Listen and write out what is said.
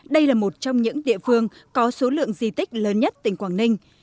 đây là một trong những địa phương có số lượng di tích lớn nhất tỉnh quảng ninh